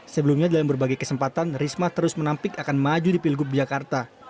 sebelumnya dalam berbagai kesempatan risma terus menampik akan maju di pilgub jakarta